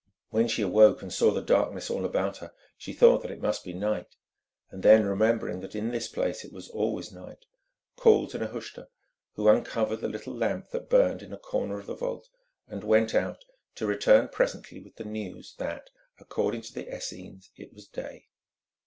When she awoke and saw the darkness all about her, she thought that it must be night; then remembering that in this place it was always night, called to Nehushta, who uncovered the little lamp that burned in a corner of the vault, and went out, to return presently with the news that according to the Essenes, it was day.